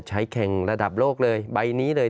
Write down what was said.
แข่งระดับโลกเลยใบนี้เลย